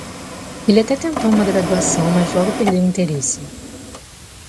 Ele até tentou uma graduação, mas logo perdeu o interesse.